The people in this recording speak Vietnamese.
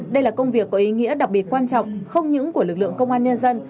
đây là công việc có ý nghĩa đặc biệt quan trọng không những của lực lượng công an nhân dân